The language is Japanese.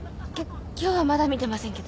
今日はまだ見てませんけど。